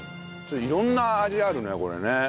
色んな味あるねこれね。